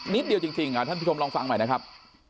เดียวจริงท่านผู้ชมลองฟังใหม่นะครับ